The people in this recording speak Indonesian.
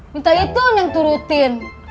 minta itu neng turutin